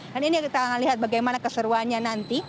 dan ini kita akan lihat bagaimana keseruannya nanti